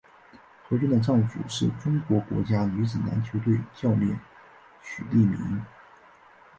何军的丈夫是中国国家女子篮球队教练许利民。